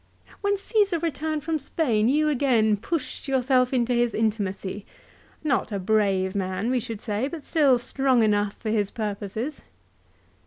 " When Caesar returned from Spain you again pushed yourself into his intimacy, not a brave man we should say, but still strong enough for his purposes.